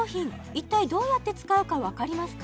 一体どうやって使うかわかりますか？